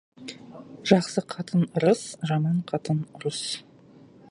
Жақсы қатын — ырыс, жаман қатын — ұрыс.